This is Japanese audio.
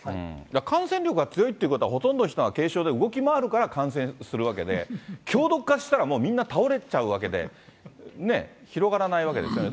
感染力が強いということは、ほとんどの人が軽症で動き回るから感染するわけで、強毒化したらもうみんな倒れちゃうわけで、ね、広がらないわけですよね。